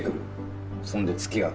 そんで付き合う。